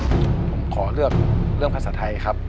ผมขอเลือกเรื่องภาษาไทยครับ